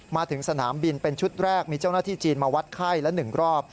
มาถึงสนามบินเป็นชุดแรกมีเจ้าหน้าที่จีนมาวัดไข้ละ๑รอบ